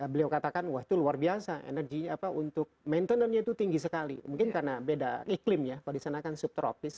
beliau katakan wah itu luar biasa energinya apa untuk maintenernya itu tinggi sekali mungkin karena beda iklimnya kalau di sana kan subtropis